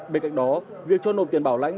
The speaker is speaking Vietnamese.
bên cạnh đó việc cho nộp tiền bảo lãnh